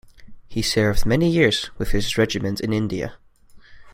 He served many years with his regiment in India.